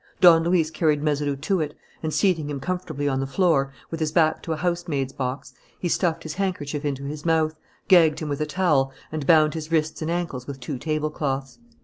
Don Luis carried Mazeroux to it, and, seating him comfortably on the floor, with his back to a housemaid's box, he stuffed his handkerchief into his mouth, gagged him with a towel, and bound his wrists and ankles with two tablecloths.